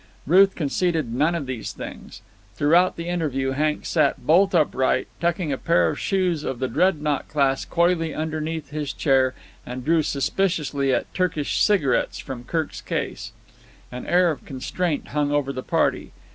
Ruth conceded none of these things. Throughout the interview Hank sat bolt upright, tucking a pair of shoes of the dreadnought class coyly underneath his chair, and drew suspiciously at Turkish cigarettes from Kirk's case. An air of constraint hung over the party.